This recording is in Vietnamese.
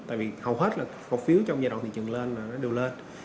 tại vì hầu hết là cột phiếu trong giai đoạn thị trường lên nó đều lên